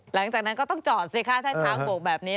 หลังจากนั้นก็ต้องจอดสิคะถ้าช้างโบกแบบนี้